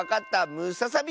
ムササビ！